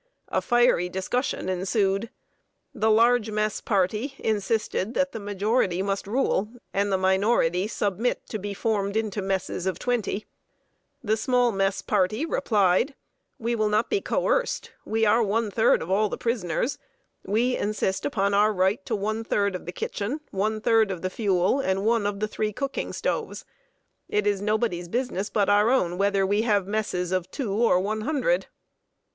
A fiery discussion ensued. The large mess party insisted that the majority must rule, and the minority submit to be formed into messes of twenty. The small mess party replied: "We will not be coerced. We are one third of all the prisoners. We insist upon our right to one third of the kitchen, one third of the fuel, and one of the three cooking stoves. It is nobody's business but our own whether we have messes of two or one hundred."